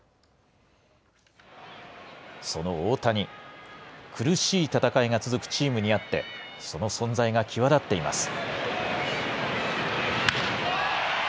その大谷、苦しい戦いが続くチームにあって、その存在が際立っています。